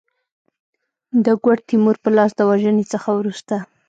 د ګوډ تیمور په لاس د وژني څخه وروسته.